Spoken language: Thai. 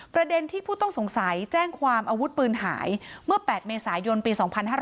ประเด็นที่ผู้ต้องสงสัยแจ้งความอาวุธปืนหายเมื่อ๘เมษายนปี๒๕๕๙